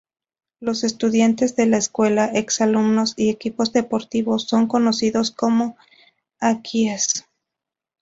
Los estudiantes de la escuela, ex alumnos y equipos deportivos son conocidos como Aggies.